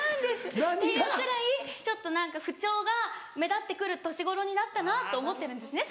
っていうくらいちょっと不調が目立って来る年頃になったなと思ってるんですね